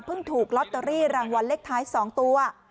ถูกลอตเตอรี่รางวัลเลขท้าย๒ตัว